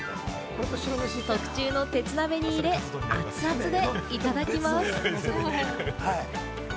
特注の鉄鍋に入れ、熱々でいただきます。